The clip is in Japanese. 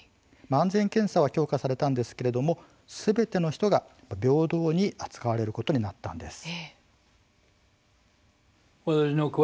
安全検査は強化されたんですけれどもすべての人が平等に扱われることになったんです。